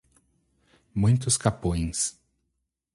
Muitos Capões